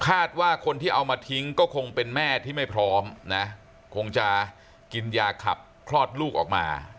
คาดว่าคนที่เอามาทิ้งก็คงเป็นแม่ที่ไม่พร้อมนะคงจะกินยาขับคลอดลูกออกมา